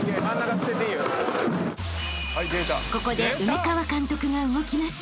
［ここで梅川監督が動きます］